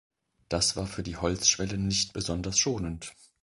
Das war für die Holzschwellen nicht besonders schonend.